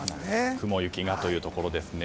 雲行きがというところですね。